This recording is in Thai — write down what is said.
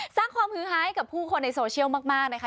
สร้างความฮือฮาให้กับผู้คนในโซเชียลมากนะคะ